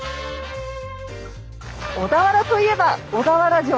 小田原といえば小田原城。